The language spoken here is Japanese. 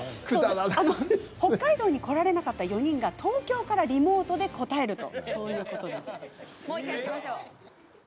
北海道に来られなかった４人は東京からリモートで答えます。